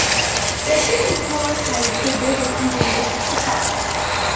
The ships is powered by two diesel engines with two shafts.